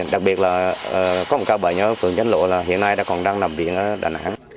đặc biệt là có một ca bệnh ở phường chánh lộ là hiện nay đã còn đang làm việc ở đà nẵng